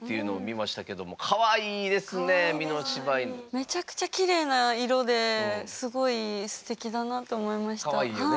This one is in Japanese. めちゃくちゃきれいな色ですごいすてきだなと思いました。